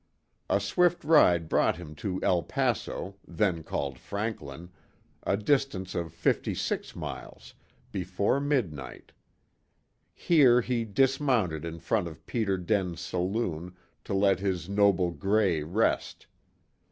A swift ride brought him into El Paso, then called Franklin, a distance of fifty six miles, before midnight. Here he dismounted in front of Peter Den's saloon to let his noble "Gray" rest.